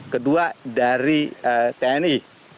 kedua dari tni